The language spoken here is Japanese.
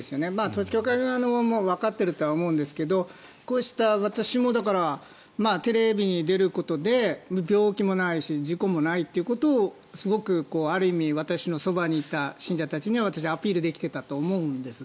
統一教会側もわかっていると思うんですがこうした私もテレビに出ることで病気もないし事故もないということをすごくある意味私のそばにいた信者たちに私はアピールできていたと思うんです。